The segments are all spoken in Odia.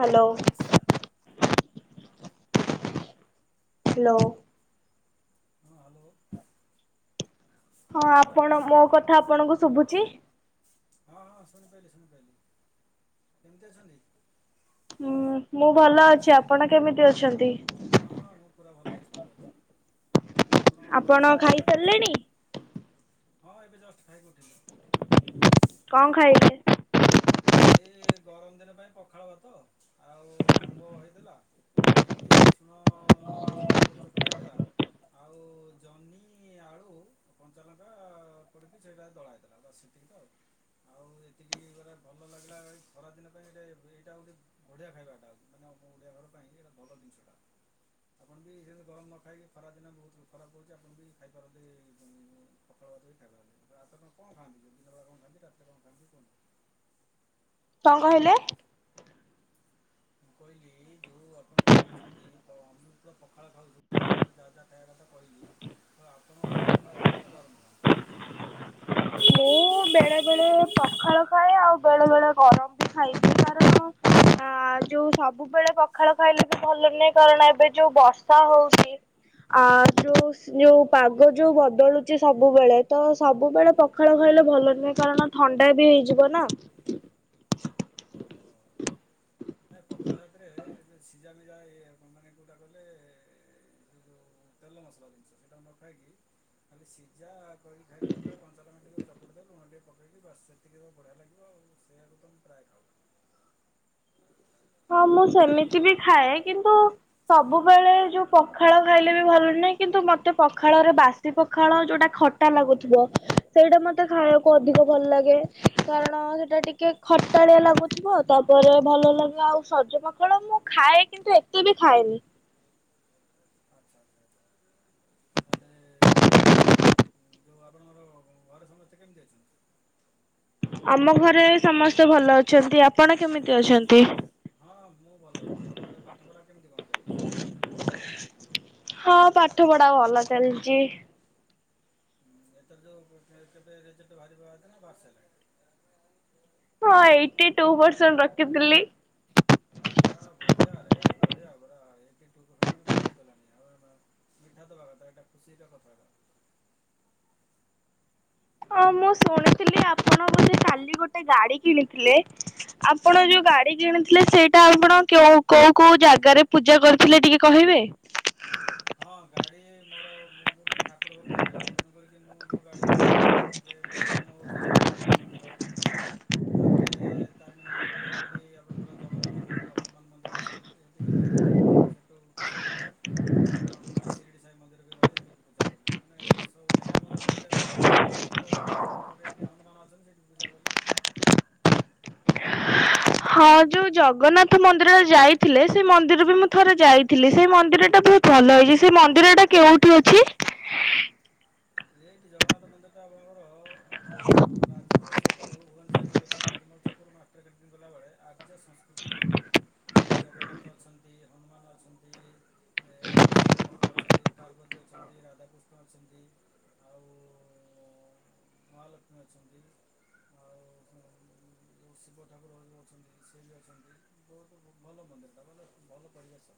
ହ୍ୟାଲୋ। ହ୍ୟାଲୋ। ହଁ ହ୍ୟାଲୋ। ହଁ ଆପଣ ମୋ କଥା ଆପଣଙ୍କୁ ଶୁଭୁଛି? ହଁ ହଁ ଶୁଣିପାଇଲିି ଶୁଣିପାଇଲିି କେମିତି ଅଛନ୍ତି? ହୁଁ ମୁଁ ଭଲ ଅଛି ଆପଣ କେମିତି ଅଛନ୍ତି? ହଁ ହଁ ମୁଁ ପୁରା ଭଲ ଅଛି ଭଲ ଅଛି ଆପଣଙ୍କର ଆପଣ ଘର ସମସ୍ତେ କେମିତି ଅଛନ୍ତି? ଖାଇସାରିଲେଣି? ହଁ ହଁ ଏବେ ଯଷ୍ଟ ଖାଇକି ଉଠିଲି। କଣ ଖାଇଲେ? ଏଇ ଗରମ ଦିନ ପାଇଁ ପଖାଳ ଭାତ ଆଉ ଆମ୍ବ ହେଇଥିଲା। ଭେଣ୍ଡି ରସୁଣ କଞ୍ଚା ଲଙ୍କା ପଡିଚକୁଟା ହେଇଥିଲା। ଆଉ ଜହ୍ନି ଆଳୁ। କଞ୍ଚାଲଙ୍କା ପୋଡ଼ିକି ସେଇଟା ଦଳାହେଇଥିଲା ବାସ୍ ସେତିକି ତ ଆଉ ଏତିକି ଉରା ଭଲ ଲାଗିଲା ଭାଇ ଖରାଦିନ ପାଇଁ ଏଟା ଏଇଟା ଗୋଟେ ବଢିଆ ଖାଇବାଟା, ମାନେ ଆମ ଓଡିଆ ଘର ପାଇଁ ଏଟା ଭଲ ଜିନିଷଟା। ଆପଣ ବି ସେମିତି ଗରମ ନ ଖାଇକି ଖରାଦିନେ ବହୁତ୍ ଖରା ହଉଚି ଆପଣ ବି ଖାଇପାରନ୍ତି ପଖାଳ ଭାତ ବି ଖାଇପାରନ୍ତି। [unintelligible] କଣ ଖାଆନ୍ତି? ଦିନବେଳେ କଣ ଖାଆନ୍ତି ରାତିରେ କଣ ଖାଆନ୍ତି କୁହନ୍ତୁ। କଣ କହିଲେ? ମୁଁ କହିଲି ଯୋଉ ଆପଣ ଖାଉଛନ୍ତି [unintelligible] ପଖାଳ ଖାଉଚୁ, ପଖାଳରେ ଯାହା ଯାହା କହିବା କଥା କହିଲି। ତ ଆପଣ କଣ ପଖାଳ ଖାଆନ୍ତି ନା ଗରମ ଖାଆନ୍ତି? ମୁଁ ବେଳେବେଳେ ପଖାଳ ଖାଏ ଆଉ ବେଳେବେଳେ ଗରମ ବି ଖାଇଦିଏ। କାରଣ ଆ ଯୋଉ ସବୁବେଳେ ପଖାଳ ଖାଇଲେ ବି ଭଲ ନାହିଁ। କାରଣ ଏବେ ଯୋଉ ବର୍ଷା ହଉଚି ଆ ଯୋଉ ଯୋଉ ପାଗ ଯୋଉ ବଦଳୁଚି ସବୁବେଳେ ତ ସବୁବେଳେ ପଖାଳ ଖାଇଲେ ଭଲ ନୁହେଁ। କାରଣ ଥଣ୍ଡା ବି ହେଇଯିବ ନା। ଓହୋ। ନାହିଁ ପଖାଳ ସାଥିରେ ଏ ଯୋଉ ସିଝାମିଜା ଏ ମାନେ କୋଉଟା କହିଲେ ସେ ଯଉ ତେଲ ମସଲା ଜିନିଷ, ହେଟା ନ ଖାଇକି ଖାଲି ସିଝା ଦଳିକି ଖାଇଦେବେ ଖାଲି କଞ୍ଚା ଲଙ୍କା ଟିକେ ପୋଡ଼ି ଦେବେ ଲୁଣ ଟିକିଏ ପକେଇକି ବାସ୍ ସେତିକିରେ ବଢ଼ିଆ ଲାଗିବ ଆଉ ସେଇଆକୁ ତ ମୁଁ ପ୍ରାୟ ଖାଉ। ହଁ ମୁଁ ସେମିତି ବି ଖାଏ। କିନ୍ତୁ ସବୁବେଳେ ଯୋଉ ପଖାଳ ଖାଇଲେ ବି ଭଲ ନୁହେଁ। କିନ୍ତୁ ମତେ ପଖାଳରେ ବାସ୍ ବାସି ପଖାଳ ଯୋଉଟା ଖଟା ଲାଗୁଥିବ ସେଇଟା ମତେ ହୁଁ। ଖାଇବା କୁ ଅଧିକ ଭଲ ଲାଗେ। କାରଣ ସେଟା ଟିକେ ଖଟାଳିଆ ଲାଗୁଥିବ, ତାପରେ ଭଲ ଲାଗେ ଆଉ ସଜ ପଖାଳ ମୁଁ ଖାଏ କିନ୍ତୁ ଏତେ ବି ଖାଏନି। ଆଚ୍ଛା ଆଚ୍ଛା। ତାହାଲେ ଯୋଉ ଆପଣଙ୍କର ଘରେ ସମସ୍ତେ କେମିତି ଅଛନ୍ତି? ଆମ ଘରେ ସମସ୍ତେ ଭଲ ଅଛନ୍ତି। ଆପଣ କେମିତି ଅଛନ୍ତି? ହଁ ମୁଁ ଭଲ ଅଛି। ଆପଣଙ୍କ ପାଠ ପଢା କେମିତି କଣ ଚାଲିଚି? ହଁ ପାଠ ପଢା ଭଲ ଚାଲିଚି। ଉଁ, ଏଥର ଯୋଉ କେବେ ରେଜଲ୍ଟ ବାହାରିବା ଆ ଦିହରେ ନା ବହାରି ସାରିଲାନି? ହଁ ଏଇଟି ଟୁ ପରସେଣ୍ଟ ରଖିଥିଲି। ହଁ ବଢିଆ ଏ ବଢିଆ ପରା ଏଇଟି ଟୁ ପରସେଣ୍ଟ ମାନେ ବହୁତ ହେଲାଣି। ଆଉ ମିଠା ଦବା କଥା ଏଟା ଖୁସିର କଥା ଟା। ହଁ ମୁଁ ଶୁଣିଥିଲି ଆପଣ ବୋଧେ କାଲି ଗୋଟେ ଗାଡି କିଣିଥିଲେ? ଆପଣ ଯୋଉ ଗାଡି କିଣିଥିଲେ ସେଇଟା ଆପଣ କେଉ କୋଉ କୋଉ ଜାଗାରେ ପୂଜା କରିଥିଲେ ଟିକେ କହିବେ? ହଁ ଗାଡି ମୋର ମୁଁ ମୁଁ ଟେ ଠାକୁର ଭକ୍ତିଆ ପିଲା। ତେଣୁକରିକି ମୁଁ ଯୋଉ ଗାଡି କିଣିଥିଲି ଆଗେ ପ୍ରଥମ ହଉଚି ମା ତାରିଣୀ ମନ୍ଦିର। ତାପରେ ତାରିଣୀ ମନ୍ଦିର ପରେ ଗଲି ଆପଣଙ୍କର ଜଗନ୍ନାଥ ମନ୍ଦିର ହନୁମାନ ମନ୍ଦିର ଅଛନ୍ତି ଇନ୍ତି ସେଠୁ କରିସାରିଲା ପରେ ତାପରେ ଟଙ୍କ ପାଣି ଶିରିଡ଼ି ସାହି ମନ୍ଦିରରେ ଗଲି ହେଠି ବି ପୂଜା କଲି। ମାନେ ସବୁ ତିନିଟା ମନ୍ଦିରରେ ପୂଜା କଲି। ଜଗନ୍ନାଥ ମନ୍ଦିରରେ ବି ହନୁମାନ ଅଛନ୍ତି ସେଇଠି ପୂଜା କଲି। ହଁ ଯୋଉ ଜଗନ୍ନାଥ ମନ୍ଦିର ଯାଇଥିଲେ, ସେଇ ମନ୍ଦିର ବି ମୁଁ ଥରେ ଯାଇଥିଲି। ସେଇ ମନ୍ଦିର ଟା ବହୁତ୍ ଭଲ ହେଇଚି। ସେଇ ମନ୍ଦିର ଟା କେଉଁଠି ଅଛି? ଏଇଠି ଜଗନ୍ନାଥ ମନ୍ଦିର ଟା ଆପଣଙ୍କର ଯୋଉ ରାଜମହଲ ଛ କ ରୁ ଭୁବନେଶ୍ୱର ରେ ଯୋଉ ଅଛି ରାଜମହଲ ଛକରୁ ମାଷ୍ଟ୍ରର କ୍ୟାଣ୍ଟିନ୍ ଗଲାବେଳେ ଆର୍ଯ୍ୟ ସଂସ୍କୃତି ମନ୍ଦିର। ସେଠି ଜଗନ୍ନାଥ ଅଛନ୍ତି ହନୁମାନ ଅଛନ୍ତି। ଏବଂ ଶିବ ଠାକୁର ଅଛନ୍ତି, ପାର୍ବତୀ ଅଛନ୍ତି, ରାଧାକୃଷ୍ଣ ଅଛନ୍ତି। ଆଉ ମହାଲକ୍ଷ୍ମୀ ଅଛନ୍ତି। ଆଉ ଯଉ ଶିବ ଠାକୁର ଯୋଉଁ ଅଛନ୍ତି। ସେ ବି ଅଛନ୍ତି। ବୋହୁତ ଭଲ ମନ୍ଦିରଟା। ମାନେ ଭଲ ପରିବେଶ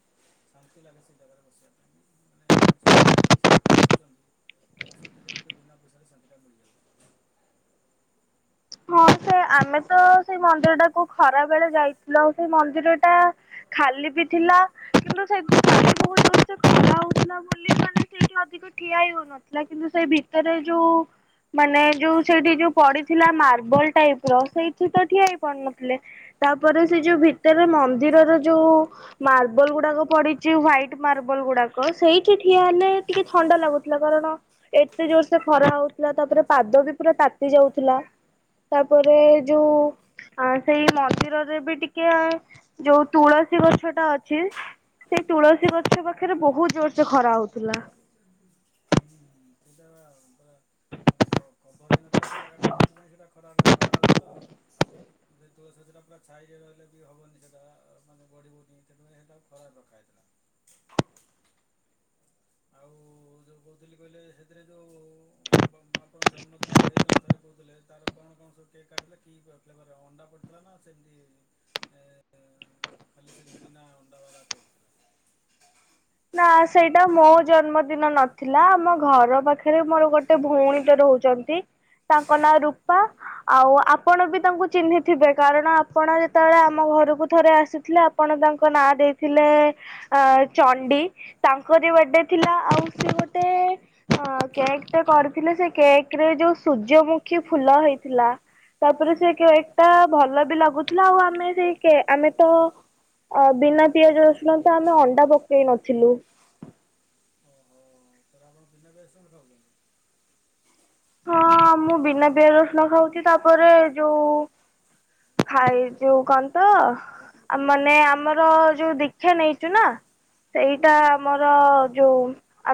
ଶାନ୍ତି ଲାଗେ ସେ ଜାଗାରେ ବସିବା ପାଇଁ। ମାନେ ମଣିଷ ତ ଆଜିକାଲି ଶାନ୍ତି ଖୋଜୁଛନ୍ତି। ଆପଣ ସେଠି ଯାନ୍ତୁ ବିନା ପଇସାରେ ଶାନ୍ତିଟା ମିଳିଯାଉଛି। ହଁ, ସେ ଆମେ ତ ସେଇ ମନ୍ଦିର ଟାକୁ ଖରା ବେଳେ ଯାଇଥିଲୁ। ଆଉ ସେଇ ମନ୍ଦିର ଟା ଖାଲି ବିି ଥିଲା। କିନ୍ତୁ ସେ [unintelligible] ବହୁତ ଜୋର ସେ ଖରା ହଉଥିଲା ବୋଲି। ମାନେ ସେଇଠି ଅଧିକ ଠିଆ ହେଇ ହଉନଥିଲା। ଥିଲା, କିନ୍ତୁ ସେ ଭିତରେ ଯୋଉ ମାନେ ଯୋଉ ସେଠି ଯୋଉ ପଡ଼ିଥିଲା ମାର ବଲ୍ ଟାଇପର। ସେଇଠି ତ ଠିଆ ହେଇ ପାରୁନଥିଲେ। ତାପରେ ସେ ଯୋଉ ଭିତରେ ମନ୍ଦିରର ଯୋଉ ମାର୍ବଲ ଗୁଡ଼ାକ ପଡିଛି। ହ୍ଵାଇଟ୍ ମାର୍ବଲ ଗୁଡାକ ସେଇଠି ଠିଆ ହେଲେ ଟିକେ ଥଣ୍ଡା ଲାଗୁଥିଲା। କାରଣ ଏତେ ଜୋରସେ ଖରା ହଉଥିଲା। ତାପରେ ପାଦ ବି ପୁରା ତାତି ଯାଉଥିଲା। ତାପରେ ଯୋଉ ଆ ସେଇ ମନ୍ଦିରରେ ବି ଟିକେ ଯୋଉ ତୁଳସୀ ଗଛ ଟା ଅଛି। ସେ ତୁଳସୀ ଗଛ ପାଖରେ ବହୁତ ଜୋର ସେ ଖରା ହଉଥିଲା। ହୁଁ ହୁଁ ସେଟା ବା କ କଭର ହେଇନଥିଲା ସେ ଜାଗା ଟା ସେଥିପାଇଁ ସେଟା ଖରାରେ ଖରା ହଉଥିଲା ଆଉ। ସେ ତୁଳସୀ ଗଛ ଟା ପୁରା ଛାଇ ରହିଲେ ବି ହବନି ସେଟା ମାନେ ବଢ଼ିବନି। ସେଥିପାଇଁ ସେଟା ଖରାରେ ରଖା ହେଇଥିଲା। ଆଉ ଯୋଉ କହୁଥିଲି କହିଲେ। ସେଥିରେ ଯୋଉ ଆପଣଙ୍କ ଜନ୍ମଦିନ ଯୋଉ ହେଇଥିଲା ଥରେ କହୁଥିଲେ। ତାର କଣ କଣ ସବୁ କେକ୍ କାଟିଲେ? କି ଫ୍ଳେବର ଅଣ୍ଡା ପଡ଼ିଥିଲା ନା ସେମତି ଏ ଖାଲି ସେମିତି ନା ଆଣ୍ଡା ବାଲା କରିଥିଲ? ନା ସେଇଟା ମୋ ଜନ୍ମଦିନ ନଥିଲା। ଆମ ଘର ପାଖରେ ମୋର ଗୋଟେ ଗୋଟେ ଭଉଣୀଟେ ରହୁଛନ୍ତି। ତାଙ୍କ ନାଁ ରୂପା। ହଁ ହଁ ଆଉ ଆପଣ ବି ତାଙ୍କୁ ଚିହ୍ନିଥିବେ। କାରଣ ଆପଣ ଯେତେବେଳେ ଆମ ଘରକୁ ଥରେ ଆସିଥିଲେ ଆପ୍ ଆପଣ ତାଙ୍କ ନାଁ ଦେଇଥିଲେ ଅ ଚନ୍ ଣ୍ଡି ତାଙ୍କର ତାଙ୍କରି ବଡେ ଥିଲା। ଆଉ ସେ ଗୋଟେ ହଁ କେକ୍ ଟେ କରିଥିଲେ। ସେ କେକ୍ ରେ ଯୋଉ ସୂର୍ଯ୍ୟମୁଖୀ ଫୁଲ ହେଇଥିଲା। ତାପରେ ସେ କେକ୍ ଟା ଭଲ ବି ଲାଗୁଥିଲା। ଆଉ ଆମେ ସେଇ କେ ଆମେ ତ ଅ ବିନା ପିଆଜ ରସୁଣ ତ ଆମେ ଅଣ୍ଡା ପକେଇ ନଥିଲୁ। ଓହୋ ତାହେଲେ ଆପଣ ବିନା ପିଆଜ ରସୁଣରେ ଖାଉଛନ୍ତି? ହଁ, ମୁଁ ବିନା ପିଆଜ ରସୁଣ ଖାଉଛି। ତାପରେ ଯୋଉ ଖାଇ ଯୋଉ କନ ତ ମାନେ ଆମର ଯୋଉ ଦୀକ୍ଷା ନେଇଛୁ ନା। ଏଇଟା ଖାଉଛନ୍ତି ଆମର ଯୋଉ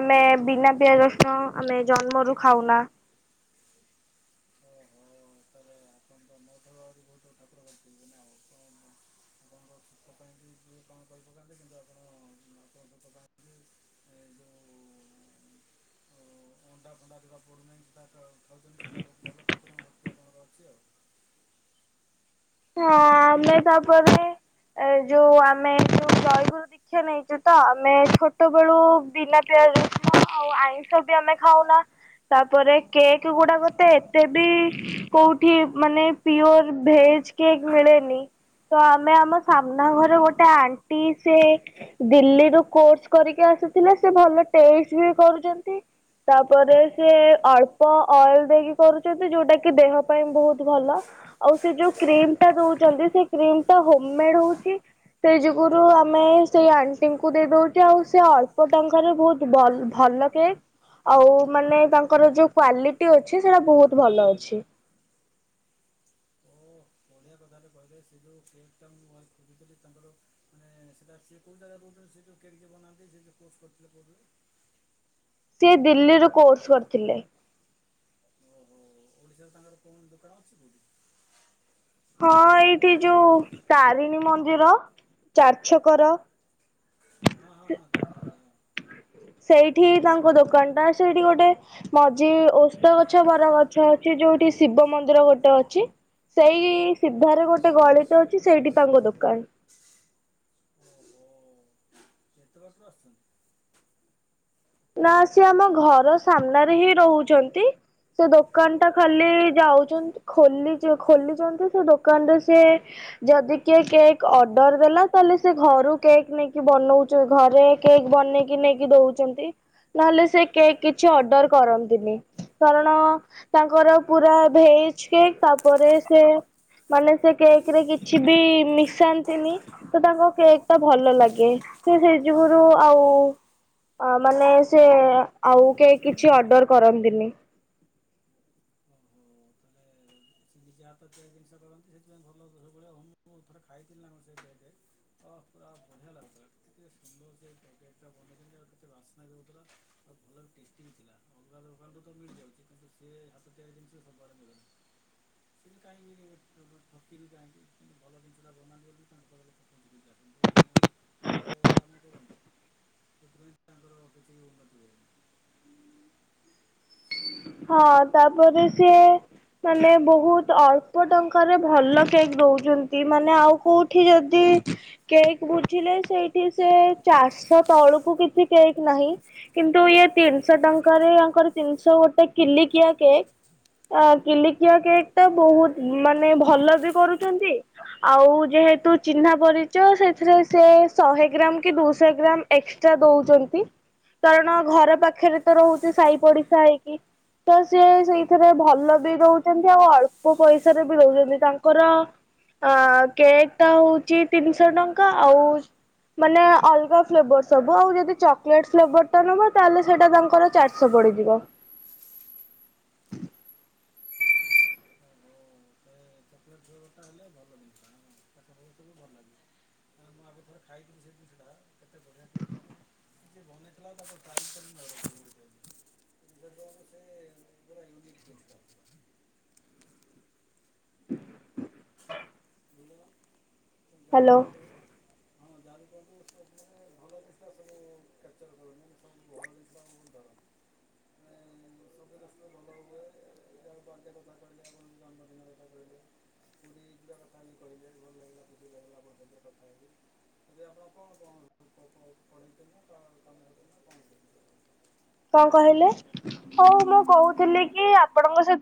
ଆମେ ବିନା ପିଆଜ ରସୁଣ ଆମେ ଜନ୍ମରୁ ଖାଉନା। ଓ ହୋ। ତାହଲେ ଆପଣ ତ ମୋ ଠାରୁ ଆହୁରି ବହୁତ ଠାକୁର ଭକ୍ତି ଅଛନ୍ତି ନା। ଆପଣଙ୍କ ସୁଖ ପାଇଁ କିଏ କଣ କରି ପକାନ୍ତି। କିନ୍ତୁ ଆପଣ ଆପଣଙ୍କ ଦୋକାନ ଏ ଯୋଉ ଅଣ୍ଡା ଫଣ୍ଡା ଯୋଟା ପଡ଼ୁନାହିଁ, ସେଇଟା ଖାଉଛନ୍ତି। ସେଇଟା ବହୁତ ଭଲ। ଠାକୁରଙ୍କ ଭକ୍ତି ଆପଣର ଅଛି ଆଉ। ହଁ ଆମେ ତାପରେ ବି ଏ ଯୋଉ ଆମେ ଯୋଉ ଜୟଗୁରୁ ଦିକ୍ଷା ନେଇଛୁ ତ, ଆମେ ଛୋଟବେଳୁ ବିନା ପିଆଜ ରସୁଣ ଆଉ ଆଇଁଷ ବି ଆମେ ଖାଉନା। ତାପରେ କେକ୍ ଗୁଡ଼ାକ ତ ଏତେ ବି କୋଉଠି ମାନେ ପିଓର ଭେଜ କେକ୍ ମିଳେନି। ତ ଆମେ ଆମ ସାମ୍ନା ଘର ଗୋଟେ ଆଣ୍ଟି ସେ ଦିଲ୍ଲୀରୁ କୋର୍ସ କରିକି ଆସୁଥିଲା। ସେ ଭଲ ଟେଷ୍ଟ ବି କରୁଚନ୍ତି। ତାପରେ ସେ ଅଳ୍ପ ଅଏଲ୍ ଦେଇକି କରୁଚନ୍ତି ଯୋଉଟା କି ଦେହ ପାଇଁ ବହୁତ୍ ଭଲ। ଆଉ ସେ ଯୋଉ କ୍ରିମ ଟା ଦୋଉଚନ୍ତି। ସେଇ କ୍ରିମ ଟା ହୋମ୍ ମେଡ ହୋଉଚି। ସେ ଯୁଗୁରୁ ଆମେ ସେଇ ଆଣ୍ଟିଙ୍କୁ ଦେଇଦଉଚୁ। ଆଉ ସେ ଅଳ୍ପ ଟଙ୍କାରେ ବହୁତ୍ ସେ ବଲ ଭଲ କେକ୍ ଆଉ ମାନେ ତାଙ୍କର ଯୋଉ କ୍ଵାଲିଟି ଅଛି। ସେଇଟା ବହୁତ୍ ଭଲ ଅଛି। ହୁଁ। ବଢ଼ିଆ କଥାଟେ କହିଲେ। ସେ ଯେଉଁ କେକ୍ ଟା ମୁଁ ଆଜି ଖୋଜୁଥିଲି। ତାଙ୍କର ମାନେ ସେଟା ସେ କୋଉ ଯାଗା କୋଉଥିରେ ସେ କେଡିଟେ ବନାନ୍ତି। ସେ ଯୋଉ କୋର୍ସ କରିଥିଲେ କହୁଥିଲେ? ସିଏ ଦିଲ୍ଲୀରୁ କୋର୍ସ କରିଥିଲେ। ଓହୋ ଓଡ଼ିଶାରେ ତାଙ୍କର କୌଣସି ଦୋକାନ ଅଛି କି? ହଁ ଏଇଠି ଯୋଉ ତାରିଣୀ ମନ୍ଦିର ଚାରିଛକର ହଁ ହଁ ହଁ ତାରେଣି ମନ୍ଦିର ହଁ। ସେଇଠି ତାଙ୍କ ଦୋକାନ ଟା ସେଇଠି ଗୋଟେ ମଝି ଓସ୍ତ ଗଛ ବର ଗଛ ଅଛି। ଯୋଉଠି ଶିବ ମନ୍ଦିର ଗୋଟେ ଅଛି। ସେଇ ସିଧାରେ ଗୋଟେ ଗଳିିଟେ ଅଛି। ସେଇଠି ତାଙ୍କ ଦୋକାନ। କେତେ ବର୍ଷ ଆସୁଚନ୍ତି? ନା ସିଏ ଆମ ଘର ସାମ୍ନାରେ ହିଁ ରହୁଛନ୍ତି। ସେ ଦୋକାନ ଟା ଓ ଘର ଖାଲି ଯାଉଚନ୍ତି। ଖୋଲି ଖୋଲିଚନ୍ତି ସେ ଦୋକାନଟା ସିଏ ଯଦି କିଏ କେକ୍ ଅର୍ଡର ଦେଲା ତାହେଲେ ସେ ଘରୁ କେକ୍ ନେଇକି ବନଉ ଯୋଉଘରେ କେକ୍ ବନେଇକି ନେଇକି ଦୋଉଚନ୍ତି। ନହେଲେ ସେ କେକ୍ କିଛି ଅର୍ଡର କରନ୍ତିନି। କାରଣ ତାଙ୍କର ପୁରା ଭେଜ୍ କେକ୍ ତାପରେ ସେ ମାନେ ସେ କେକ୍ ରେ କିଛି ବି ମିଶାନ୍ତିନି। ତ ତାଙ୍କ କେକ୍ ଟା ଭଲ ଲାଗେ। ସେ ସେଇ ଯୁଗୁରୁ ଆଉ ଅ ମାନେ ସେ ଆଉ କେହି କିଛି ଅର୍ଡ଼ର କରନ୍ତିନି। ହୁଁ। ନିଜ ହାତତିଆରି ଜିନିଷ କରନ୍ତି ସେଥିପାଇଁ ଭଲ ବେଳେବେଳେ ଅନୁଭବ ମୁଁ ଥରେ ଖାଇଥିଲି ନା ସେ କେକେ। ହଁ ପୁରା ବଢିଆ ଲାଗୁଥିଲା। କେେ ସୁନ୍ଦର ସେ ଟ [unintelligible] ବନେଇ ଆିକେ ବାସ୍ନା ଦୋଉଥିଲା ଆଉ ଭଲବି ଟେଷ୍ଟି ହେଇଥିଲାଥିଲା। ଅଲଗା ଦୋକାନରୁ ତ ମିଳିଯାଉଚି। କିନ୍ତୁ ସିଏ ହାତ ତିଆରି ଜମିଷ ସବୁଆଡେ ମିଳୁନି। କିନ୍ତୁ କାହିଁ ଠକି ଯାଆନ୍ତିନି। କିନ୍ତୁ ଭଲ ଜିନିଷଟା ଦୋଉନାହାନ୍ତି ବୋଲି ତାଙ୍କର ା କାମ କରନ [inaudible] ଯେପରି ତାଙ୍କର ବୁଦୁ ମାଦିଏ। ହଁ ତାପରେ ସିଏ ମାନେ ବହୁତ୍ ଅଳ୍ପ ଟଙ୍କାରେ ଭଲ କେକ୍ ଦୋଉଚନ୍ତି। ମାନେ ଆଉ କୋଉ ଏଠି ଯଦି କେକ୍ ବୁଝିଲେ ସେଇଠି ସେ ଚାର୍ ସ ତଳକୁ କିଛି କେକ୍ ନାହିଁ। କିନ୍ତୁ ଇଏ ତିନିଶହ ଟଙ୍କାରେ ଆଙ୍କର ତିନିଶହ ଗୋଟେ କିଲିକିଆ କେକ୍। ଆ କିଲିକିଆ କେକ୍ ଟା ବହୁତ୍ ମାନେ ଭଲ ବି କରୁଚନ୍ତି। ଆଉ ଯେହେତୁ ଚିହ୍ନା ପରିଚୟ ସେଥିରେ ସେ ଶହେ ଗ୍ରାମ କି ଦୁଇଶହ ଗ୍ରାମ ଏକ୍ସଟ୍ରା ଦୋଉଚନ୍ତି। କାରଣ ଘର ପାଖରେ ତ ରହୁଚି ସାଇ ପଡିଶା ହେଇକି। ତ ସିଏ ସେଇଥିରେ ଭଲ ବି ରହୁଛନ୍ତି ଆଉ ଅଳ୍ପ ପଇସାରେ ବି ରହୁଛନ୍ତି। ତାଙ୍କର ଆଁ କେକ୍ ଟା ହଉଛି ତିନିଶହ ଟଙ୍କା। ଆଉ ମାନେ ଅଲଗା ଫ୍ଲେଭର ସବୁ ଆଉ ଯଦି ଚକୋଲେଟ ଫ୍ଲେଭର ଟା ନବ ତାହେଲେ ସେଇଟା ତାଙ୍କର ଚାରି ଷ ବଡ଼ିଯିବ। ହଉ ତ [inaudible] ଚକଲେଟ୍ ଫ୍ଲେବରଟା ହେଲେ ଭଲ [unintelligible] ତାହା ସମସ୍ତଙ୍କୁ ଭଲ ଲାଗିବ। ରେ ଖାଇକିରି ସେ ଜିନିଷଟା କେତେ ବଢିଆ କେକ୍ ଜଣେ କିଏ ବନେଇଥିଲା ତାକୁ [unintelligible] ବିଶ୍ୱାସ କରିବେନି ସେ ପୁରା ୟୁନିକ୍ ଜିନିଷ। [unintelligible] ହଁ ଜାଣି ହ୍ୟାଲୋ। କନ୍ତୁ ସୁ ମାନେ ଭଲ ଜିନିଷା ସବୁ କ୍ୟାପଚର କର ସବୁ ଭଲ ଜିନିଷ ଆ ଧରନ୍ତି। ମେ ସବୁ ଦସ୍ତ ଭଲ ହୁଏ ତା ପାଟେ କଥା କହିଲେ ଆପଣଙ୍କୁ ଜନ୍ମଦିନ ର କଥା କହିଲେ ଖୁଡ଼ି ପା କଥା ବିି କହିଲେ ଭଲ ଲାଗିଲା କୁଡ଼ି ଲାଗିଲା ବଧରେ କଥା ହେବି। ଯଦି ଆପଣ କଣ କଣ [unintelligible] କାମ କଣ? କଣ କହିଲେ ହଉ ମୁଁ କହୁଥିଲି କରୁଛନ୍ତି କି ଆପଣଙ୍କ ସହିତ